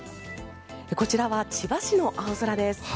こちらは千葉市の青空です。